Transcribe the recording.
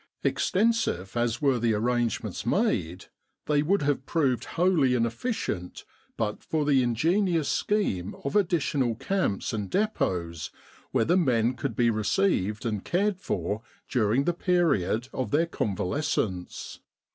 Extensive as were the arrangements made, they would have proved wholly inefficient but for an ingenious scheme of additional camps and depots where the men could be received and cared for during the period of their convalescence.